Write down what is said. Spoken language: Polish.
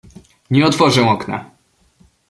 "Nie otworzę okna!"